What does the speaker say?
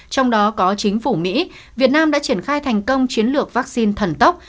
trong đó có chính phủ mỹ việt nam đã triển khai thành công chiến lược vaccine thần tốc